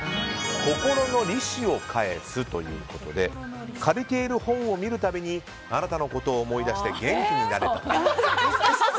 心の利子を返す！ということで借りている本を見るたびにあなたのことを思い出して嘘過ぎない？